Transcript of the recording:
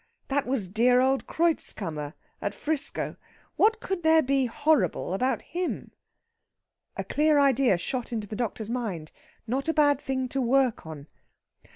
That was dear old Kreutzkammer, at 'Frisco. What could there be horrible about him?..." A clear idea shot into the doctor's mind not a bad thing to work on.